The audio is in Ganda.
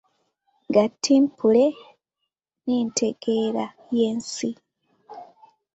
Gatimpule n’entegeera y’ensi: